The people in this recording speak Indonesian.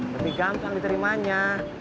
lebih gampang diterimanya